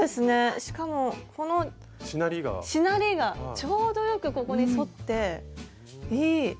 しかもこのしなりがちょうどよくここに沿っていい！